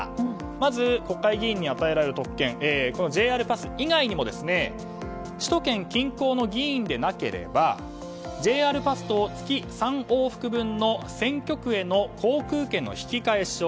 まず国会議員に与えられる特権はＪＲパス以外にも首都圏近郊の議員でなければＪＲパスと、月３往復分の選挙区への航空券の引換証。